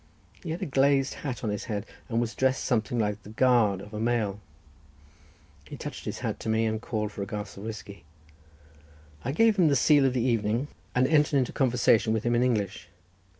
He had a glazed hat on his head, and was dressed something like the guard of a mail. He touched his hat to me, and called for a glass of whiskey. I gave him the sele of the evening, and entered into conversation with him in English.